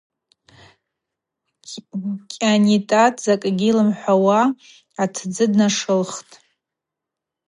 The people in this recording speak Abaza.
Къанитат закӏгьи лымхӏвауа атдзы днашылхтӏ.